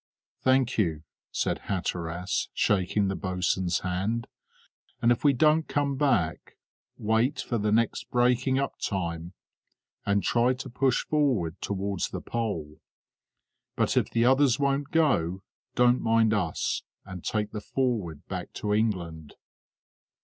"Thank you," said Hatteras, shaking his boatswain's hand; "and if we don't come back, wait for the next breaking up time, and try to push forward towards the Pole. But if the others won't go, don't mind us, and take the Forward back to England."